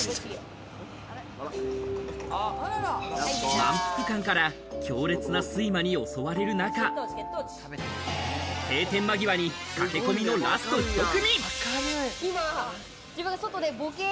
満腹感から強烈な睡魔に襲われる中、閉店間際に駆け込みのラスト１組。